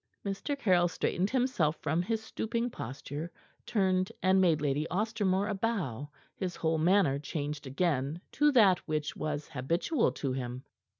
Mr. Caryll straightened himself from his stooping posture, turned and made Lady Ostermore a bow, his whole manner changed again to that which was habitual to him.